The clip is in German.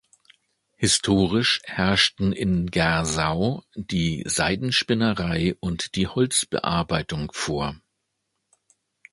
Historisch herrschten in Gersau die Seidenspinnerei und die Holzbearbeitung vor.